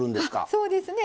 そうですね